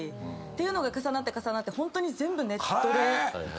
ていうのが重なって重なってホントに全部ネットで。